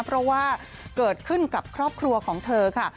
เพราะว่าเกิดขึ้นกับครอบครัวของเธอค่ะ